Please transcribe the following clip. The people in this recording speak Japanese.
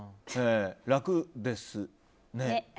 楽ですね。